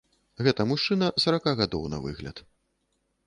Гэта мужчына сарака гадоў на выгляд.